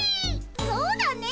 そうだね。